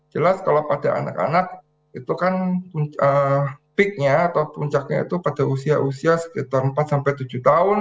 jelas kalau pada anak anak itu kan puncaknya pada usia usia sekitar empat tujuh tahun